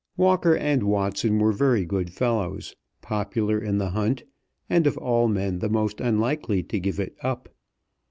Walker and Watson were very good fellows, popular in the hunt, and of all men the most unlikely to give it up.